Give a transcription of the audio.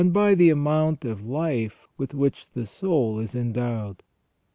391 by the amount of life with which the soul is endowed.